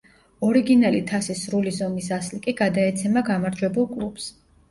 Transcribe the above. ორიგინალი თასის სრული ზომის ასლი კი გადაეცემა გამარჯვებულ კლუბს.